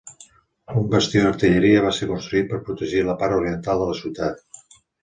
Un bastió d'artilleria va ser construït per protegir la part oriental de la ciutat.